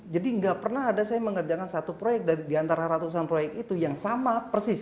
jadi nggak pernah ada saya mengerjakan satu proyek di antara ratusan proyek itu yang sama persis